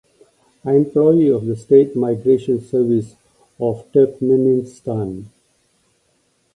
Employee of the State Migration Service of Turkmenistan.